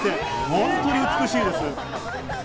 本当に美しいです。